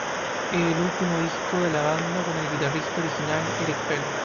Es el último disco de la banda con el guitarrista original Eric Bell.